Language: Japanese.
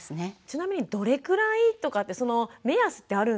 ちなみにどれくらいとかってその目安ってあるんですか？